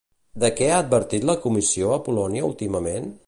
De què ha advertit la Comissió a Polònia últimament?